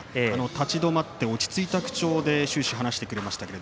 立ち止まって落ち着いた口調で終始、話してくれました。